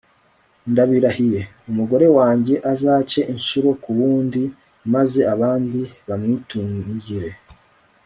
ndabirahiye: umugore wanjye azace incuro ku wundi, maze abandi bamwitungire